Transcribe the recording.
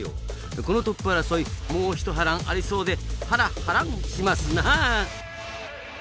このトップ争いもう一波乱ありそうでハラハランしますなあ。